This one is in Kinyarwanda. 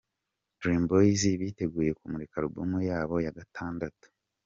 Dream Boyz biteguye kumurika album yabo ya gatandatu.